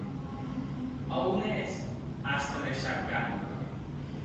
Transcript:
A on ès, astre de Scharkan?